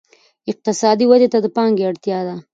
اقتصادي ودې ته د پانګې اړتیا ده.